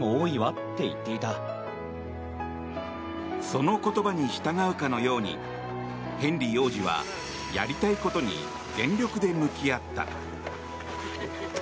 その言葉に従うかのようにヘンリー王子はやりたいことに全力で向き合った。